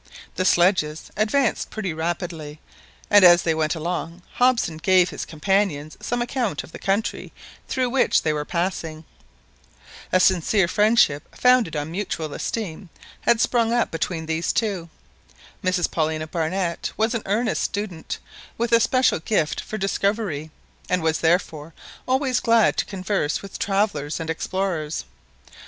The sledges advanced pretty rapidly, and as they went along, Hobson gave his companion some account of the country through which they were passing. A sincere friendship founded on mutual esteem, had sprung up between these two. Mrs Paulina Barnett was an earnest student with a special gift for discovery, and was therefore always glad to converse with travellers and explorers.